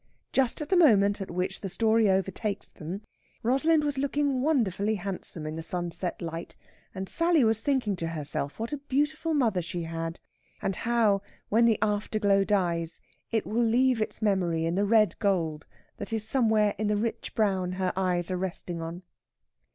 Just at the moment at which the story overtakes them, Rosalind was looking wonderfully handsome in the sunset light, and Sally was thinking to herself what a beautiful mother she had; and how, when the after glow dies, it will leave its memory in the red gold that is somewhere in the rich brown her eyes are resting on.